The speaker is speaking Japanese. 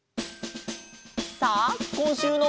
さあこんしゅうの。